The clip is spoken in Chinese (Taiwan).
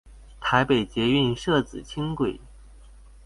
台北捷運社子輕軌